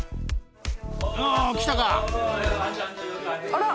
あら！